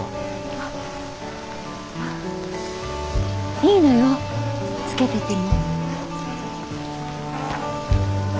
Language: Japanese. いいのよつけてても。